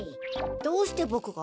どうしてボクが？